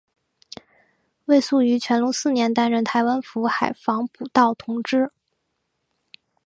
魏素于乾隆四年担任台湾府海防补盗同知。